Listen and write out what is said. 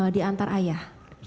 di antar ayah